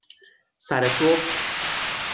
سر صبح